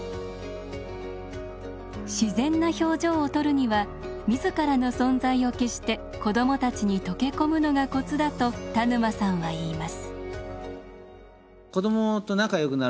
自然な表情を撮るには自らの存在を消して子どもたちに溶け込むのがコツだと田沼さんはいいます。